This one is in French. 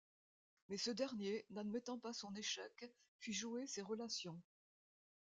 Mais ce dernier, n’admettant pas son échec, fit jouer ses relations.